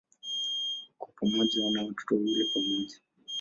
Kwa pamoja wana watoto wawili pamoja.